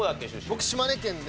僕島根県で。